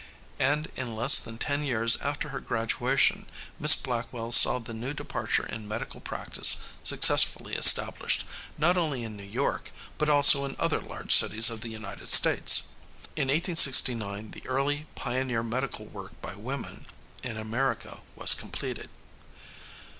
And in less than ten years after her graduation, Miss Blackwell saw the new departure in medical practice successfully established, not only in New York, but also in other large cities of the United States. In 1869 the early pioneer medical work by women in America was completed.